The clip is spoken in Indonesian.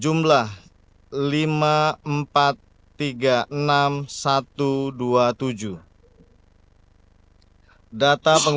jumlah surat suara yang diterima